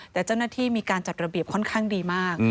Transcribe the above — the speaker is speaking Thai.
แต่เจ้าหน้าที่มีการจัดระเบียบค่อนข้างดีมาก